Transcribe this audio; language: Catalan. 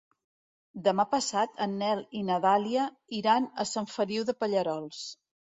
Demà passat en Nel i na Dàlia iran a Sant Feliu de Pallerols.